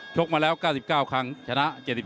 กมาแล้ว๙๙ครั้งชนะ๗๘